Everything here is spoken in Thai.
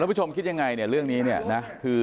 แล้วผู้ชมคิดอย่างไรเรื่องนี้นะ